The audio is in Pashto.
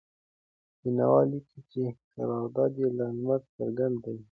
بېنوا لیکي چې کردار یې لکه لمر څرګند دی.